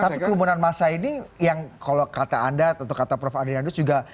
tapi kerumunan masa ini yang kalau kata anda atau kata prof adrianus juga